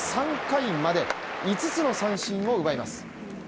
３回まで５つの三振を奪います。